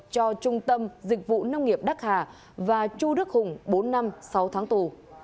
cho trung tâm dịch vụ nông nghiệp đắc hà và chu đức hùng bốn năm sáu tháng tù